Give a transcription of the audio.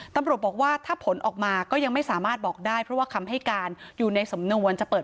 ตำรวจบอกว่าถ้าผลออกมาก็ยังไม่สามารถบอกได้เพราะว่าคำให้การอยู่ในสำนวนจะเปิด